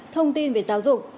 thông tin về giáo dục